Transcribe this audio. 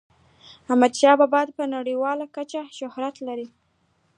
احمد شاه بابا په نړیواله کچه شهرت لري.